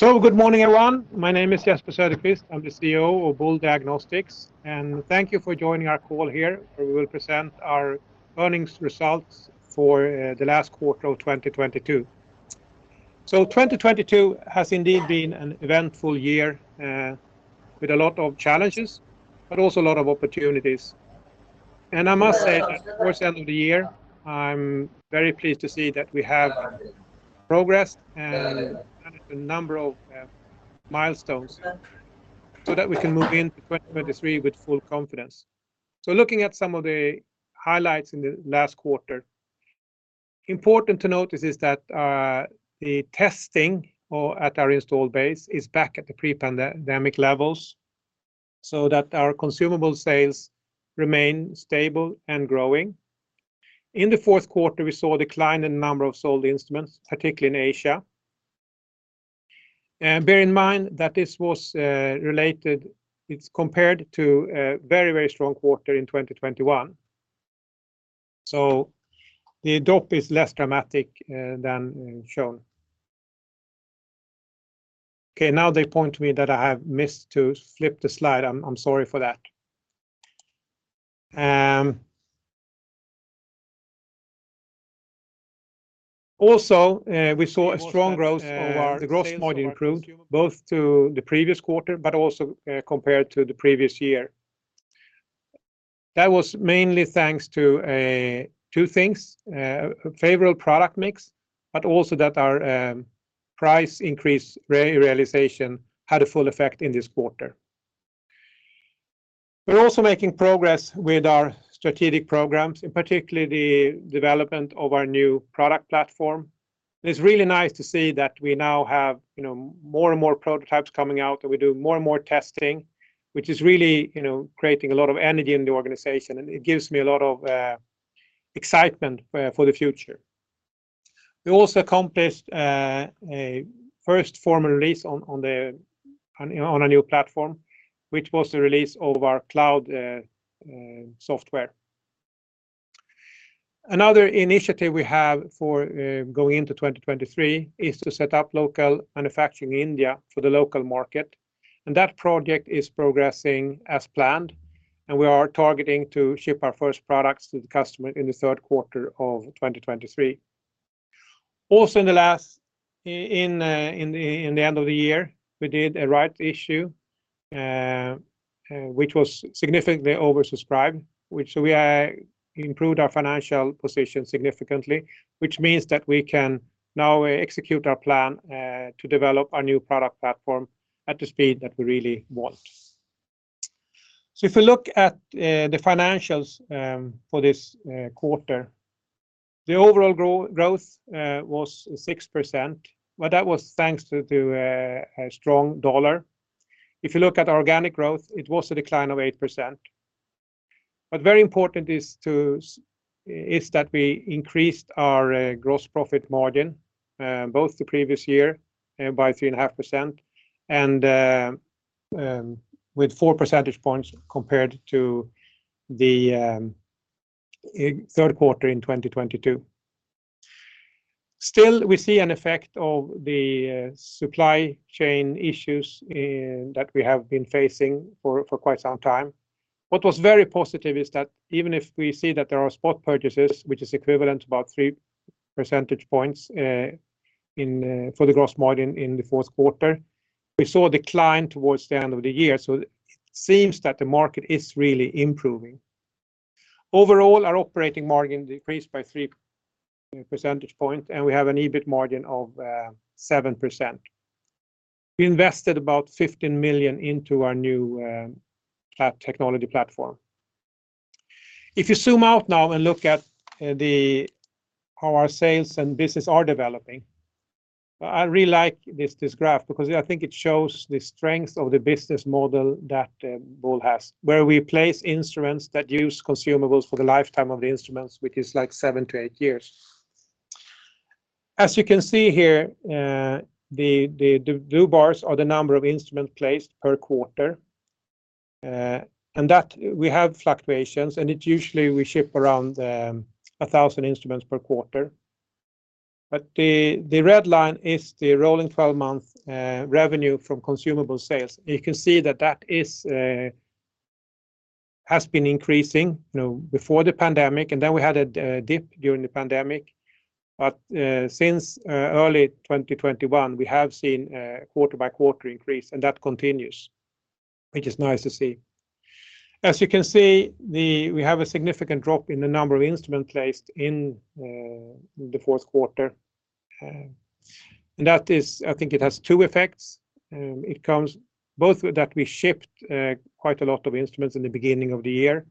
Good morning, everyone. My name is Jesper Söderqvist. I'm the CEO of Boule Diagnostics. Thank you for joining our call here, where we will present our earnings results for the last quarter of 2022. 2022 has indeed been an eventful year, with a lot of challenges, but also a lot of opportunities. I must say that towards the end of the year, I'm very pleased to see that we have progressed and added a number of milestones so that we can move into 2023 with full confidence. Looking at some of the highlights in the last quarter, important to notice that the testing or at our installed base is back at the pre-pandemic levels, so that our consumable sales remain stable and growing. In the Q4, we saw a decline in number of sold instruments, particularly in Asia. Bear in mind that this was compared to a very, very strong quarter in 2021. The drop is less dramatic than shown. Okay, now they point to me that I have missed to flip the slide. I'm sorry for that. Also, we saw a strong growth of the gross margin improved both to the previous quarter but also compared to the previous year. That was mainly thanks to two things, favorable product mix, but also that our price increase realization had a full effect in this quarter. We're also making progress with our strategic programs, in particular the development of our new product platform. It's really nice to see that we now have, you know, more and more prototypes coming out, and we do more and more testing, which is really, you know, creating a lot of energy in the organization, and it gives me a lot of excitement for the future. We also accomplished a first formal release on a new platform, which was the release of our cloud software. Another initiative we have for going into 2023 is to set up local manufacturing in India for the local market, and that project is progressing as planned. We are targeting to ship our first products to the customer in the Q3 of 2023. In the end of the year, we did a rights issue, which was significantly oversubscribed, which we improved our financial position significantly, which means that we can now execute our plan to develop our new product platform at the speed that we really want. If you look at the financials for this quarter, the overall growth was 6%, but that was thanks to a strong dollar. If you look at organic growth, it was a decline of 8%. Very important is that we increased our gross profit margin both the previous year by three and a half percent, and with four percentage points compared to the Q3 in 2022. Still, we see an effect of the supply chain issues that we have been facing for quite some time. What was very positive is that even if we see that there are spot purchases, which is equivalent to about three percentage points in for the gross margin in the Q4, we saw a decline towards the end of the year. It seems that the market is really improving. Overall, our operating margin decreased by three percentage point, and we have an EBIT margin of 7%. We invested about 15 million into our new technology platform. If you zoom out now and look at how our sales and business are developing, I really like this graph because I think it shows the strength of the business model that Boule has, where we place instruments that use consumables for the lifetime of the instruments, which is like seven to eight years. As you can see here, the blue bars are the number of instruments placed per quarter. And that we have fluctuations, and usually we ship around 1,000 instruments per quarter. The red line is the rolling 12-month revenue from consumable sales. You can see that that has been increasing, you know, before the pandemic, and then we had a dip during the pandemic. Since early 2021, we have seen a quarter-by-quarter increase, and that continues, which is nice to see. As you can see, we have a significant drop in the number of instruments placed in the Q4. That is, I think it has two effects. It comes both with that we shipped quite a lot of instruments in the beginning of the year,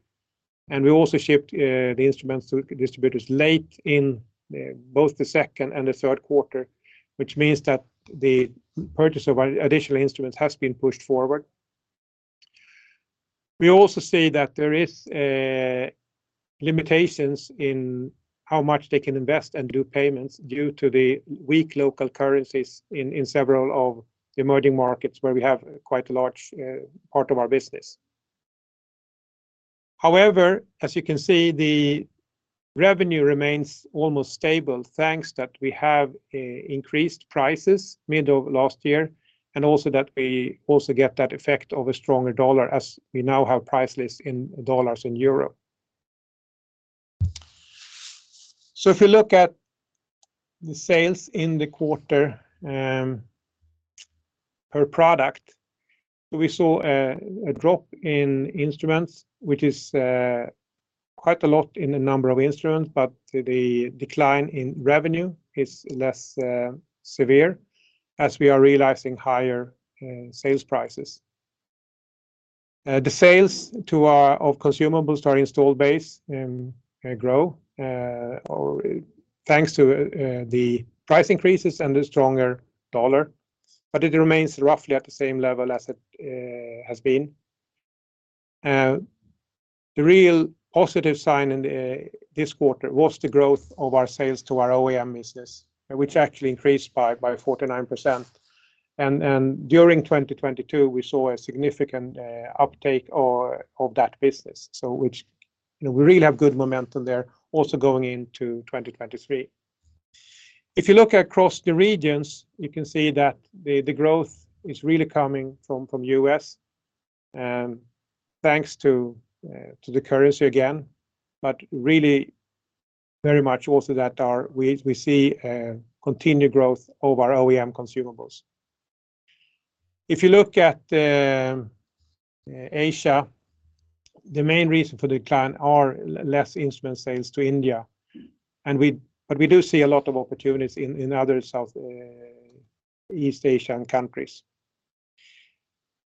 and we also shipped the instruments to distributors late in both the Q2 and the Q3, which means that the purchase of additional instruments has been pushed forward. We also see that there is limitations in how much they can invest and do payments due to the weak local currencies in several of the emerging markets where we have quite a large part of our business. As you can see, the revenue remains almost stable, thanks that we have increased prices mid of last year, and also that we also get that effect of a stronger dollar as we now have price lists in dollars and euro. If you look at the sales in the quarter per product, we saw a drop in instruments, which is quite a lot in the number of instruments, but the decline in revenue is less severe as we are realizing higher sales prices. The sales of consumables to our installed base grow or thanks to the price increases and the stronger dollar, but it remains roughly at the same level as it has been. The real positive sign in this quarter was the growth of our sales to our OEM business, which actually increased by 49%. During 2022, we saw a significant uptake of that business, so which, you know, we really have good momentum there also going into 2023. If you look across the regions, you can see that the growth is really coming from U.S. Thanks to the currency again, but really, very much also that we see continued growth of our OEM consumables. If you look at Asia, the main reason for decline are less instrument sales to India, but we do see a lot of opportunities in other Southeast Asian countries.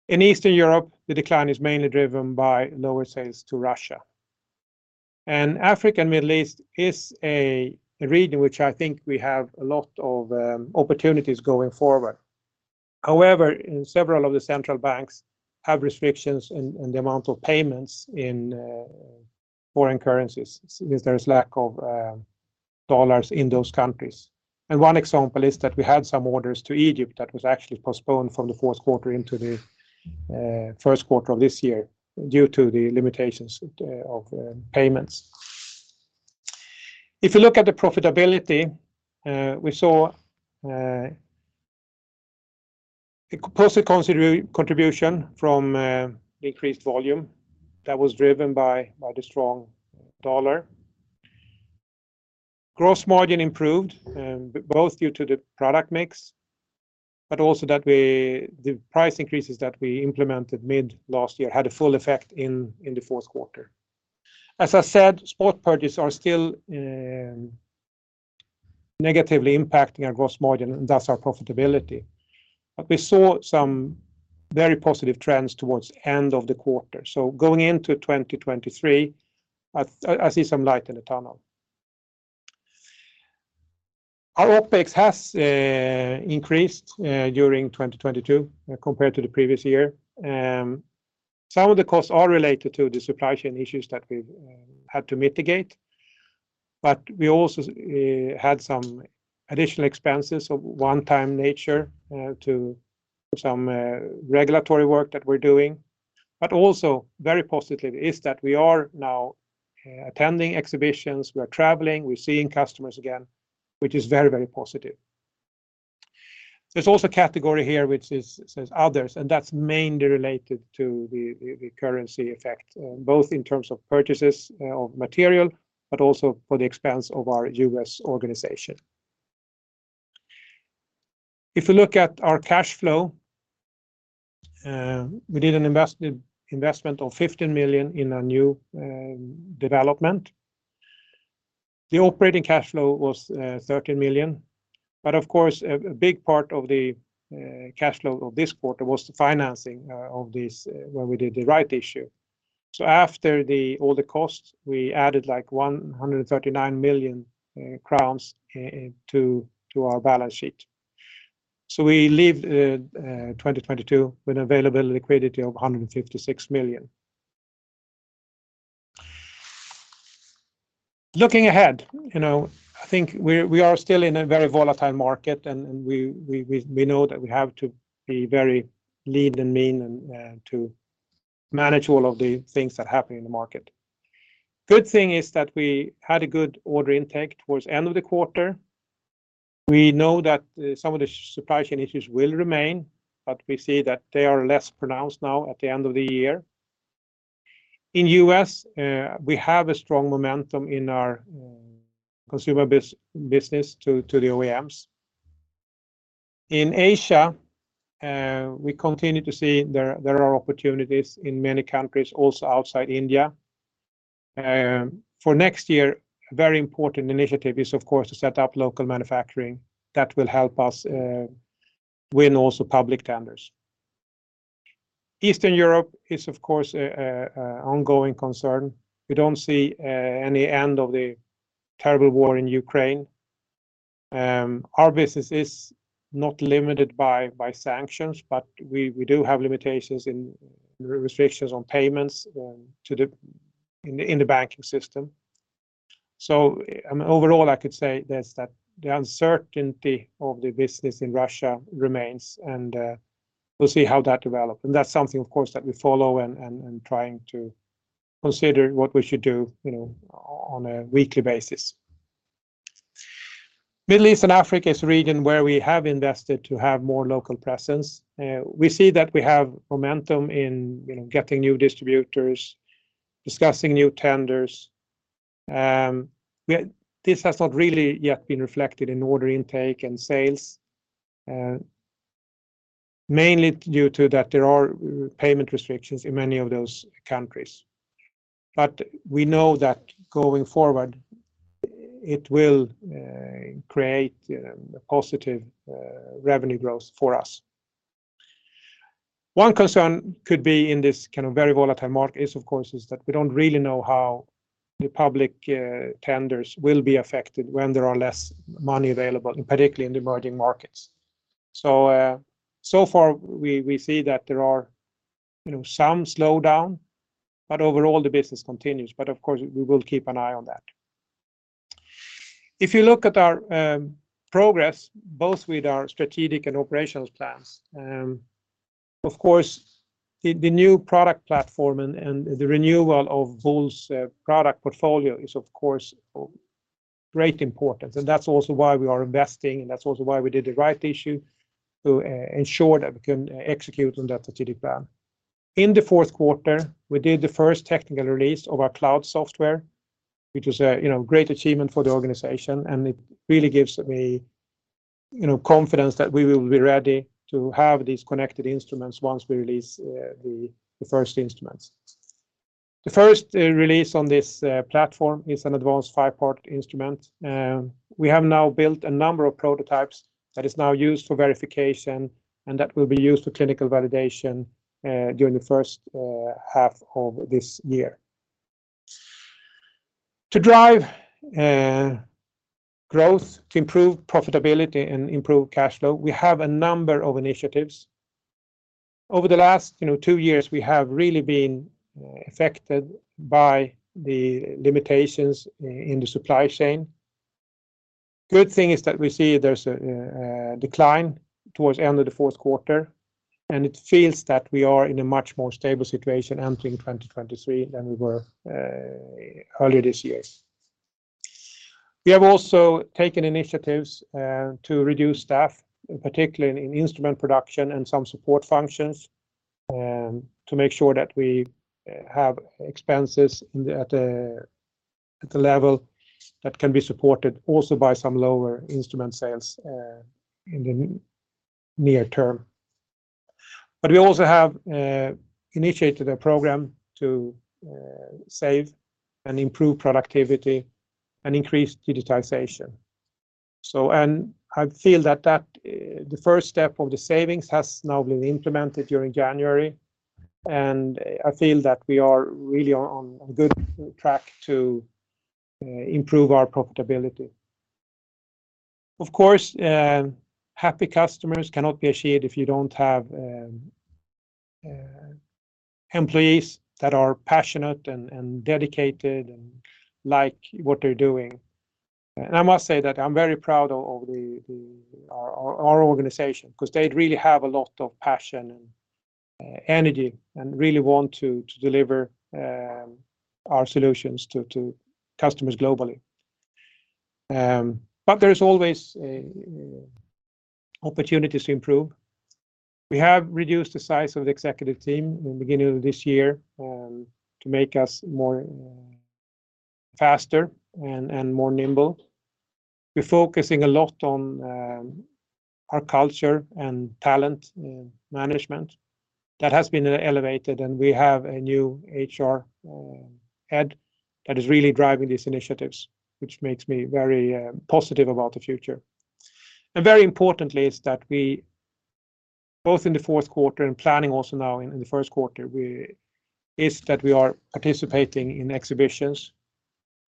In Eastern Europe, the decline is mainly driven by lower sales to Russia. Africa and Middle East is a region which I think we have a lot of opportunities going forward. However, in several of the central banks, have restrictions in the amount of payments in foreign currencies since there is lack of dollars in those countries. One example is that we had some orders to Egypt that was actually postponed from the Q4 into the Q1 of this year due to the limitations of payments. If you look at the profitability, we saw a positive contribution from increased volume that was driven by the strong dollar. Gross margin improved, both due to the product mix, but also that the price increases that we implemented mid last year had a full effect in the Q4. As I said, Spot Purchase are still negatively impacting our gross margin, and thus our profitability. We saw some very positive trends towards end of the quarter. Going into 2023, I see some light in the tunnel. Our OpEx has increased during 2022 compared to the previous year. Some of the costs are related to the supply chain issues that we've had to mitigate. We also had some additional expenses of one-time nature to some regulatory work that we're doing. Also very positive is that we are now attending exhibitions, we are traveling, we're seeing customers again, which is very, very positive. There's also a category here which is, says others. That's mainly related to the currency effect, both in terms of purchases of material, but also for the expense of our US organization. If you look at our cash flow, we did an investment of 15 million in a new development. The operating cash flow was 13 million, but of course a big part of the cash flow of this quarter was the financing of this when we did the rights issue. After all the costs, we added like 139 million crowns into our balance sheet. We leave 2022 with available liquidity of 156 million. Looking ahead, you know, I think we are still in a very volatile market, and we know that we have to be very lean and mean and to manage all of the things that happen in the market. Good thing is that we had a good order intake towards end of the quarter. We know that some of the supply chain issues will remain, but we see that they are less pronounced now at the end of the year. In U.S., we have a strong momentum in our consumer business to the OEMs. In Asia, we continue to see there are opportunities in many countries also outside India. For next year, a very important initiative is, of course, to set up local manufacturing that will help us win also public tenders. Eastern Europe is, of course, an ongoing concern. We don't see any end of the terrible war in Ukraine. Our business is not limited by sanctions, but we do have limitations in restrictions on payments to the banking system. Overall, I could say this, that the uncertainty of the business in Russia remains, we'll see how that develop. That's something, of course, that I'd be following and trying to consider what we should do, you know, on a weekly basis. Middle East and Africa is a region where we have invested to have more local presence. We see that we have momentum in getting new distributors, discussing new tenders. This has not really yet been reflected in order intake and sales, mainly due to that there are payment restrictions in many of those countries. We know that going forward it will create positive revenue growth for us. One concern could be in this kind of very volatile market is, of course, that we don't really know how the public tenders will be affected when there are less money available, and particularly in the emerging markets. So far, we see that there are, you know, some slowdown, but overall the business continues. Of course, we will keep an eye on that. If you look at our progress, both with our strategic and operational plans, of course, the new product platform and the renewal of Boule's product portfolio is, of course, of great importance. That's also why we are investing, and that's also why we did the rights issue to ensure that we can execute on that strategic plan. In the Q4, we did the first technical release of our cloud software, which is a, you know, great achievement for the organization. It really gives me, you know, confidence that we will be ready to have these connected instruments once we release the first instruments. The first release on this platform is an advanced five part instrument. We have now built a number of prototypes that is now used for verification and that will be used for clinical validation during the H1 of this year. To drive growth, to improve profitability and improve cash flow, we have a number of initiatives. Over the last, you know, two years, we have really been affected by the limitations in the supply chain. Good thing is that we see there's a decline towards the end of the Q4. It feels that we are in a much more stable situation entering 2023 than we were earlier this years. We have also taken initiatives to reduce staff, particularly in instrument production and some support functions, to make sure that we have expenses at a level that can be supported also by some lower instrument sales in the near term. We also have initiated a program to save and improve productivity and increase digitization. I feel that the first step of the savings has now been implemented during January. I feel that we are really on good track to improve our profitability. Of course, happy customers cannot be achieved if you don't have employees that are passionate and dedicated and like what they're doing. I must say that I'm very proud of the our organization because they really have a lot of passion and energy and really want to deliver our solutions to customers globally. There is always opportunities to improve. We have reduced the size of the executive team in the beginning of this year to make us more faster and more nimble. We're focusing a lot on our culture and talent management. That has been elevated, and we have a new HR head that is really driving these initiatives, which makes me very positive about the future. Very importantly is that we both in the Q4 and planning also now in the Q1, we are participating in exhibitions.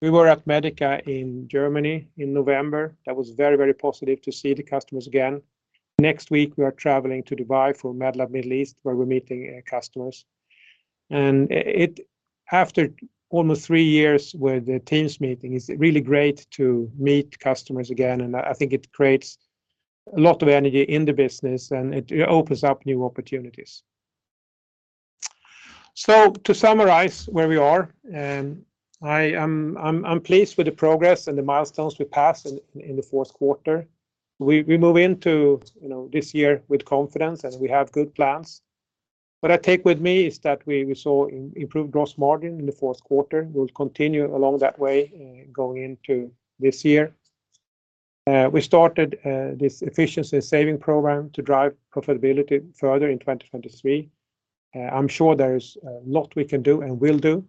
We were at MEDICA in Germany in November. That was very positive to see the customers again. Next week, we are traveling to Dubai for Medlab Middle East, where we're meeting customers. After almost three years with the teams meeting, it's really great to meet customers again, and I think it creates a lot of energy in the business, and it opens up new opportunities. To summarize where we are, I'm pleased with the progress and the milestones we passed in the Q4. We move into, you know, this year with confidence, and we have good plans. What I take with me is that we saw improved gross margin in the Q4. We'll continue along that way, going into this year. We started this efficiency saving program to drive profitability further in 2023. I'm sure there's a lot we can do and will do.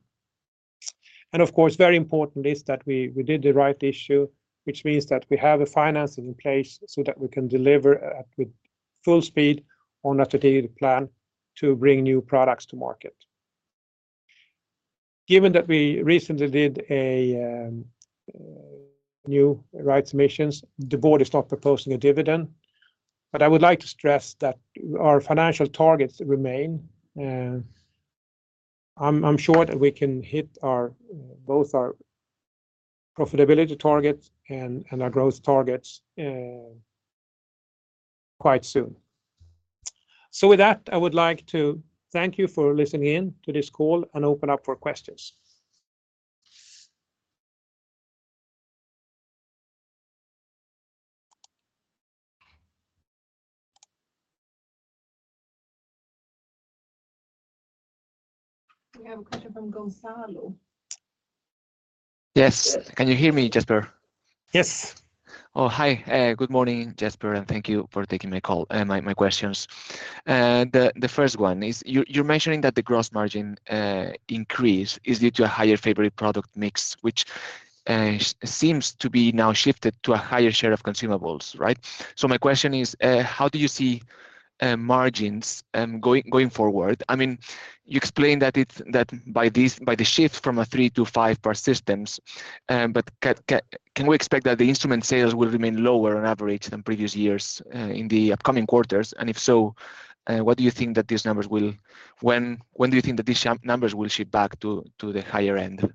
Of course, very important is that we did the rights issue, which means that we have a financing in place so that we can deliver at with full speed on our strategic plan to bring new products to market. Given that we recently did a new rights issue, the board is not proposing a dividend. I would like to stress that our financial targets remain. I'm sure that we can hit both our profitability targets and our growth targets quite soon. With that, I would like to thank you for listening in to this call and open up for questions. We have a question from Gonzalo. Yes. Can you hear me, Jesper? Yes. Oh, hi. Good morning, Jesper, thank you for taking my call, my questions. The first one is you're mentioning that the gross margin increased is due to a higher favorable product mix, which seems to be now shifted to a higher share of consumables, right? My question is, how do you see margins going forward? I mean, you explained that by the shift from a 3-part to 5-part systems, but can we expect that the instrument sales will remain lower on average than previous years, in the upcoming quarters? If so, what do you think that these numbers will? When do you think that these numbers will shift back to the higher end?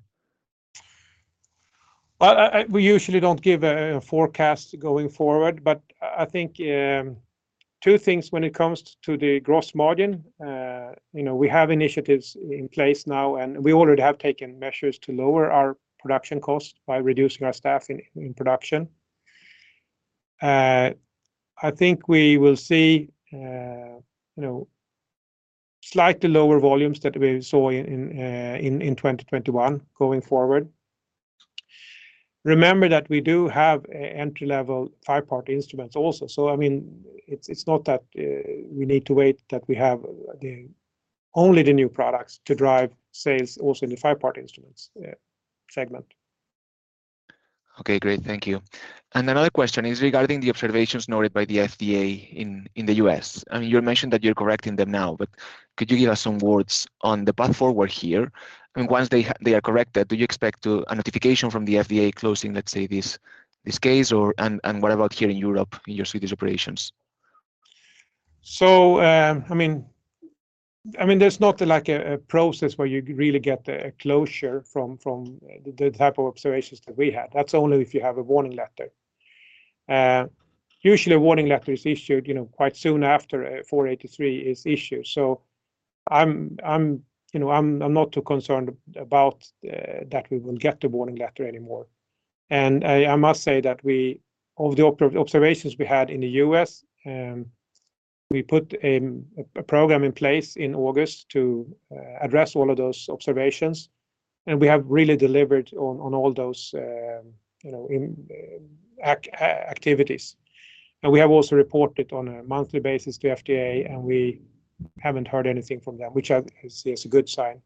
Well, I, we usually don't give a forecast going forward, but I think two things when it comes to the gross margin. You know, we have initiatives in place now, and we already have taken measures to lower our production cost by reducing our staff in production. I think we will see, you know, slightly lower volumes that we saw in 2021 going forward. Remember that we do have entry level 5-part instruments also. I mean, it's not that we need to wait that we have the only the new products to drive sales also in the 5-part instruments segment. Okay, great. Thank you. Another question is regarding the observations noted by the FDA in the U.S. I mean, you mentioned that you're correcting them now, could you give us some words on the path forward here? I mean, once they are corrected, do you expect to a notification from the FDA closing, let's say, this case or? What about here in Europe in your Swedish operations? I mean, there's not like a process where you really get a closure from the type of observations that we had. That's only if you have a Warning Letter. Usually a Warning Letter is issued, you know, quite soon after a Form 483 is issued. I'm, you know, I'm not too concerned about that we will get the Warning Letter anymore. I must say that we of the observations we had in the U.S., we put a program in place in August to address all of those observations, and we have really delivered on all those, you know, activities. We have also reported on a monthly basis to FDA, and we haven't heard anything from them, which I see as a good sign.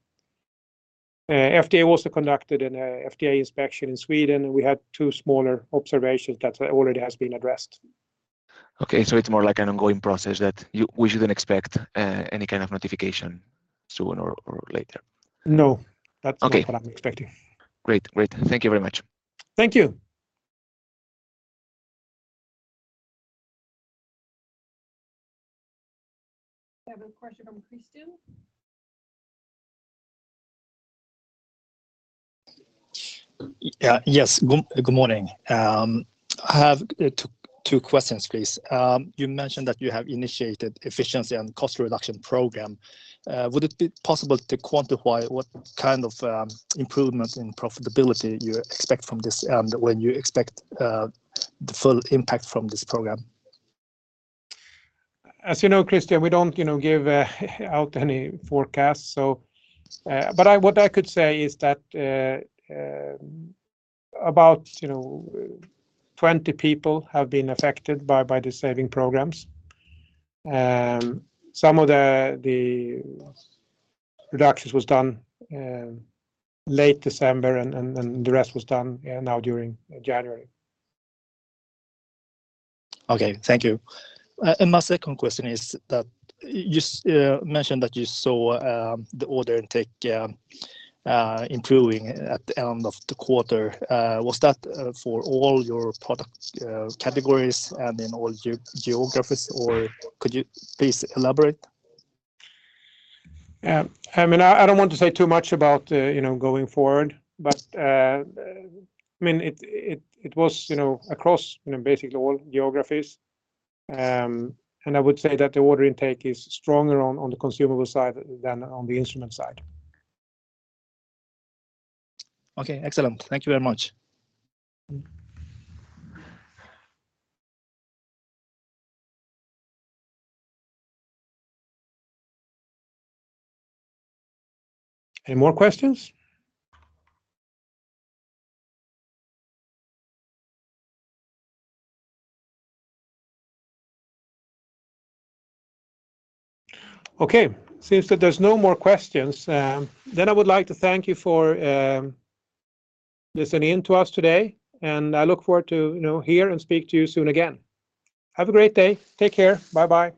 FDA also conducted an FDA inspection in Sweden, we had two smaller observations that already has been addressed. Okay, it's more like an ongoing process that you... We shouldn't expect any kind of notification sooner or later? No. Okay. That's not what I'm expecting. Great. Great. Thank you very much. Thank you. We have a question from Christian. Yeah. Yes. Good morning. I have two questions, please. You mentioned that you have initiated efficiency and cost reduction program. Would it be possible to quantify what kind of improvement in profitability you expect from this and when you expect the full impact from this program? As you know, Christian, we don't, you know, give out any forecasts. What I could say is that, about, you know, 20 people have been affected by the saving programs. Some of the reductions was done late December, and the rest was done now during January. Okay. Thank you. My second question is that you mentioned that you saw the order intake improving at the end of the quarter. Was that for all your product categories and in all geographies, or could you please elaborate? I mean, I don't want to say too much about, you know, going forward, but, I mean, it was, you know, across, you know, basically all geographies. I would say that the order intake is stronger on the consumable side than on the instrument side. Okay. Excellent. Thank you very much. Any more questions? Okay. Seems that there's no more questions. I would like to thank you for listening in to us today, and I look forward to, you know, hear and speak to you soon again. Have a great day. Take care. Bye-bye.